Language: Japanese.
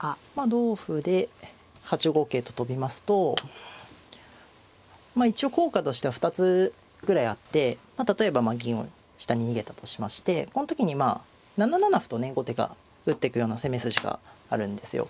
同歩で８五桂と跳びますと一応効果としては２つぐらいあって例えば銀を下に逃げたとしましてこの時に７七歩とね後手が打ってくような攻め筋があるんですよ。